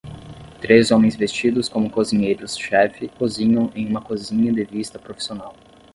Três homens vestidos como cozinheiros chefe cozinham em uma cozinha de vista profissional.